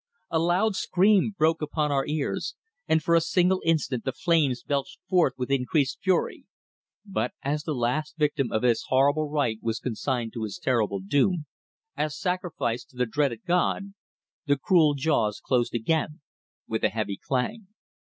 A loud scream broke upon our ears, and for a single instant the flames belched forth with increased fury, but as the last victim of this horrible rite was consigned to his terrible doom, as sacrifice to the dreaded god, the cruel jaws closed again with a heavy clang.